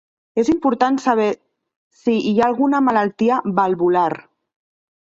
És important saber si hi ha alguna malaltia valvular.